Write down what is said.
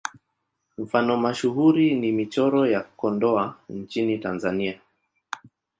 Mfano mashuhuri ni Michoro ya Kondoa nchini Tanzania.